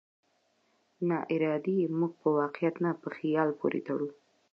ناارادي يې موږ په واقعيت نه، په خيال پورې تړو.